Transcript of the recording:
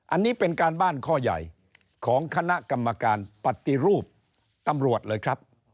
อันนี้เป็นการบ้านข้อใหญ่ของคณะกรรมการปฏิรูปตำรวจเลยครับ